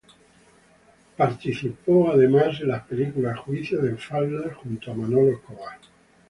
Participó además en las película "Juicio de faldas" junto a Manolo Escobar.